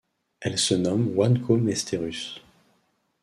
Elle se nomme OneCo-Mesterhus.